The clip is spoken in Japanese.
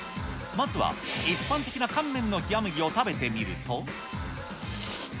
まずは、一般的な乾麺の冷や麦を食べてみると。